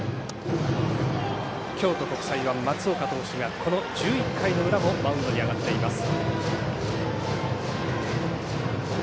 京都国際は松岡投手がこの１１回の裏もマウンドに上がっています。